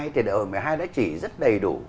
thì đại hội một mươi hai đã chỉ rất đầy đủ